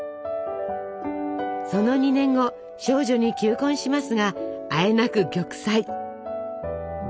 その２年後少女に求婚しますがあえなく玉砕。